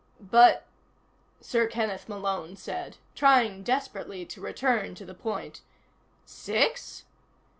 "But," Sir Kenneth Malone said, trying desperately to return to the point. _"Six?"